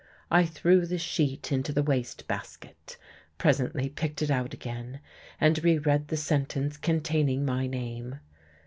I threw the sheet into the waste basket, presently picked it out again and reread the sentence containing my name.